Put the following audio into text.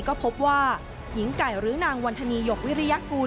ก็พบว่าหญิงไก่หรือนางวันธนีหยกวิริยากูล